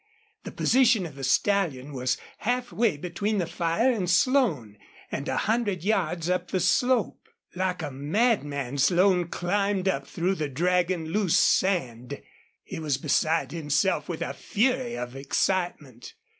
The position of the stallion was half way between the fire and Slone, and a hundred yards up the slope. Like a madman Slone climbed up through the dragging, loose sand. He was beside himself with a fury of excitement.